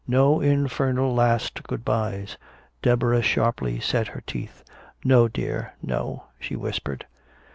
No infernal last good byes!" Deborah sharply set her teeth. "No, dear, no," she whispered.